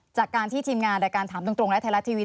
จากการที่ทีมงานรายการถามตรงและไทยรัฐทีวี